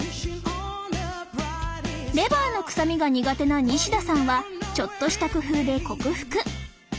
レバーの臭みが苦手な西田さんはちょっとした工夫で克服